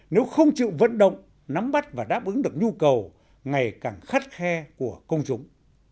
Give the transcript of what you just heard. nếu không chịu vận động nắm bắt và đáp ứng được nhu cầu ngày càng khắt khe của công chúng